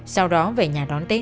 sau đó về nhà đón tết